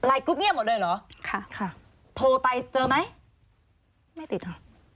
กรุ๊ปเงียบหมดเลยเหรอค่ะค่ะโทรไปเจอไหมไม่ติดค่ะ